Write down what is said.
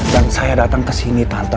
dan saya datang kesini tante